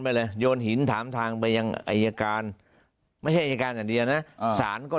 ไปเลยโยนหินถามทางไปยังอายการไม่ใช่อายการอย่างเดียวนะสารก็